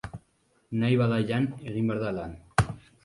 Nahi bada jan, egin behar da lan.